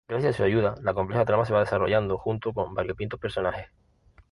Gracias a su ayuda la compleja trama se va desarrollando, junto con variopintos personajes.